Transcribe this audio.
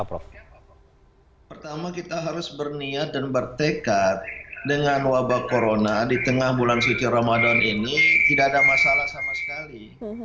pertama kita harus berniat dan bertekad dengan wabah corona di tengah bulan suci ramadan ini tidak ada masalah sama sekali